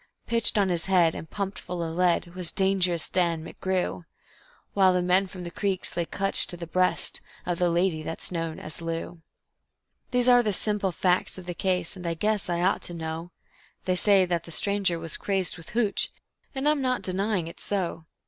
Pitched on his head, and pumped full of lead, was Dangerous Dan McGrew, While the man from the creeks lay clutched to the breast of the lady that's known as Lou. These are the simple facts of the case, and I guess I ought to know. They say that the stranger was crazed with "hooch", and I'm not denying it's so.